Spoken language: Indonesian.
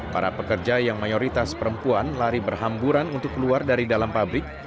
para pekerja yang mayoritas perempuan lari berhamburan untuk keluar dari dalam pabrik